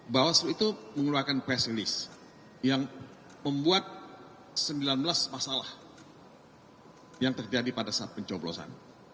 bawaslu itu mengeluarkan press release yang membuat sembilan belas masalah yang terjadi pada saat pencoblosan